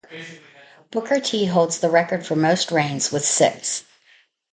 Booker T holds the record for most reigns, with six.